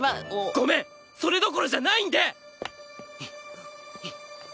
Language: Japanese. ごめんそれどころじゃないんで！